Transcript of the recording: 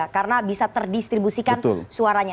karena bisa terdistribusikan suaranya